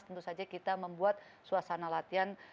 tentu saja kita membuat suasana latihan